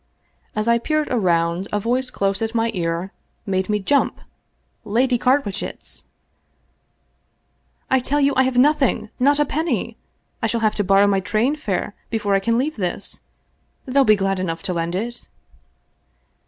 As I peered around, a voice close at my ear made me jump — Lady Carwitchet's !" I tell you I have nothing, not a penny ! I shall have to borrow my train fare before I can leave this. They'll be glad enough to lend it."